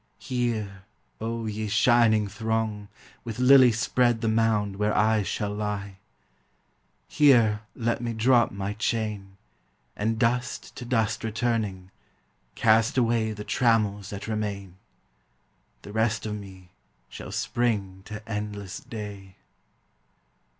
Here, O ye shining throng, With lilies spread the mound where I shall lie: Here let me drop my chain, And dust to dust returning, cast away The trammels that remain; The rest of me shall spring to endless day!